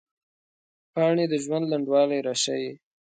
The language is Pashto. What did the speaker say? پاڼې د ژوند لنډوالي راښيي